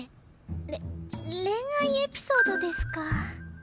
れ恋愛エピソードですか。